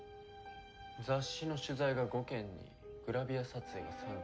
雑誌の取材が５件にグラビア撮影が３件。